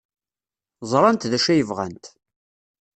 Ẓrant d acu ay bɣant.